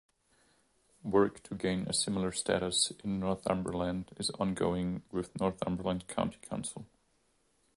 Work to gain a similar status in Northumberland is ongoing with Northumberland County Council.